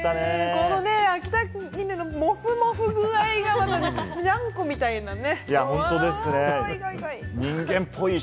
この秋田犬のモフモフ具合がまた、ニャンコみたいなね。